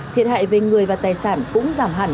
thiệt hại về người và tài sản cũng giảm hẳn